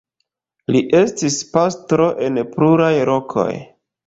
Li estis pastro en pluraj lokoj.